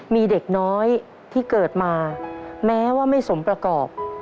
มีเด็กน้อยที่เกิดมาแม้ว่าไม่สมประกอบ